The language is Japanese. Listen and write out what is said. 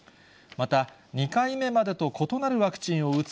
また、２回目までと異なるワクチンを打つ